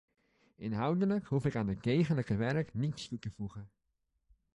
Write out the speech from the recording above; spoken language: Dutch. Inhoudelijk hoef ik aan dat degelijke werk niets toe te voegen.